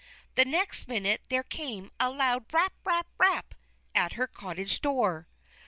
The next minute there came a loud rap! rap! rap! at her cottage door.